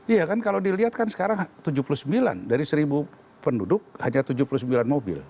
iya kan kalau dilihat kan sekarang tujuh puluh sembilan dari seribu penduduk hanya tujuh puluh sembilan mobil